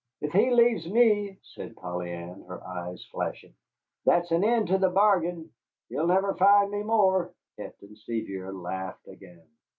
"If he leaves me," said Polly Ann, her eyes flashing, "that's an end to the bargain. He'll never find me more." Captain Sevier laughed again.